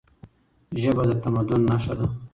ژبه د تمدن نښه ده.